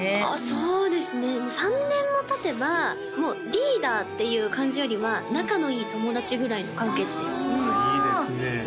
そうですね３年もたてばもうリーダーっていう感じよりは仲のいい友達ぐらいの関係値ですいいですね